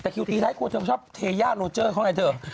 ก็ตีไทครัวเธอชอบเทแลี๊ยโนเจอร์เขาไห้เถอะ